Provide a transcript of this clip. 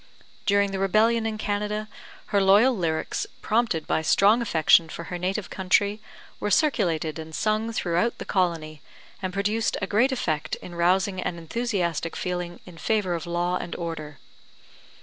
During the rebellion in Canada, her loyal lyrics, prompted by strong affection for her native country, were circulated and sung throughout the colony, and produced a great effect in rousing an enthusiastic feeling in favour of law and order.